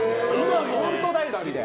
本当に大好きで。